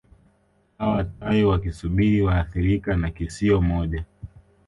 Hawa tai wakisubiri waathirika na kisio moja